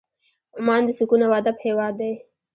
عمان د سکون او ادب هېواد دی.